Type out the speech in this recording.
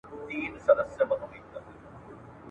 چي هر څه یې وي زده کړي په کلونو !.